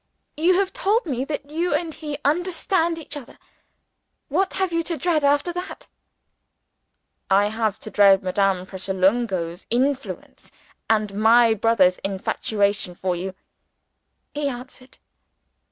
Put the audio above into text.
"You have told me that you and he understand each other. What have you to dread after that?" "I have to dread Madame Pratolungo's influence, and my brother's infatuation for you," he answered.